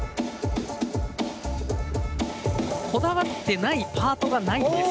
こだわってないパートがないんです。